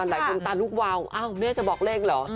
หลายคนตาลูกวาวอ้าวแม่จะบอกเลขเหรอ